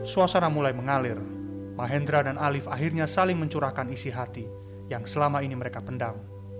suasana mulai mengalir mahendra dan alif akhirnya saling mencurahkan isi hati yang selama ini mereka pendam